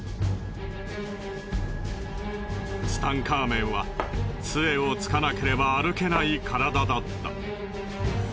ツタンカーメンは杖をつかなければ歩けない体だった。